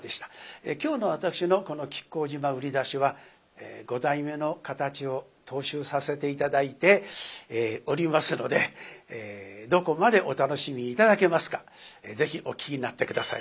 今日の私のこの「亀甲縞売出し」は五代目の形を踏襲させて頂いておりますのでどこまでお楽しみ頂けますかぜひお聴きになって下さいませ。